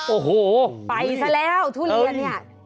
โอ้โหไปซะแล้วทุเรียนเนี่ย